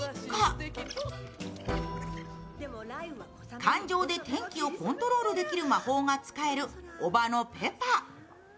感情で天気をコントロールできる魔法が使えるおばのペパ。